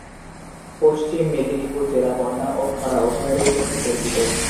পশ্চিম মেদিনীপুর জেলা বন্যা এবং খরা উভয়েরই জন্য পরিচিত।